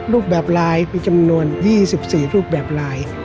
รูปแบบลายมีจำนวน๒๔รูปแบบลาย